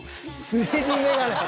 ３Ｄメガネ！